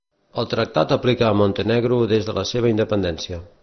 El tractat aplica a Montenegro des de la seva independència.